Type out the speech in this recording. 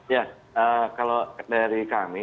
ya kalau dari kami